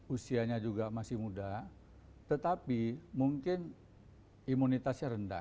usianya juga masih muda tetapi mungkin imunitasnya rendah